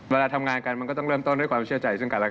เวลาทำงานกันมันก็ต้องเริ่มต้นด้วยความเชื่อใจซึ่งกันแล้วกัน